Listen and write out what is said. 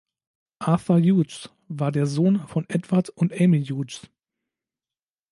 Arthur Hughes war der Sohn von Edward und Amy Hughes.